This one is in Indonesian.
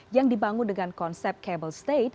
yang dibangun dengan konsep kabel state